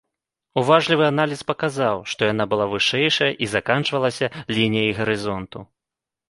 Уважлівы аналіз паказаў, што яна была вышэйшая і заканчвалася лініяй гарызонту.